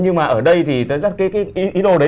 nhưng mà ở đây thì tất cả cái ý đồ đấy